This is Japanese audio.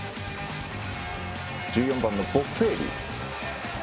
１４番のボッフェーリ。